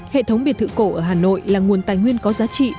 hệ thống biệt thự cổ ở hà nội là nguồn tài nguyên có giá trị